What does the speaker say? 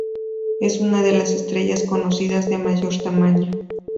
Es una de las estrellas conocidas de mayor tamaño.